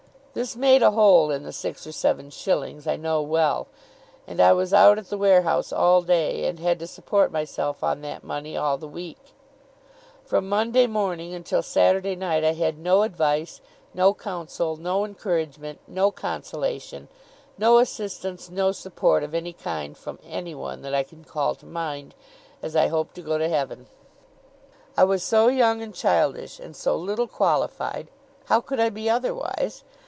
This made a hole in the six or seven shillings, I know well; and I was out at the warehouse all day, and had to support myself on that money all the week. From Monday morning until Saturday night, I had no advice, no counsel, no encouragement, no consolation, no assistance, no support, of any kind, from anyone, that I can call to mind, as I hope to go to heaven! I was so young and childish, and so little qualified how could I be otherwise?